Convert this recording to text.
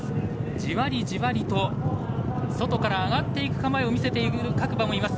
じわりじわりと、外から上がってくる構えを見せている各馬もいます。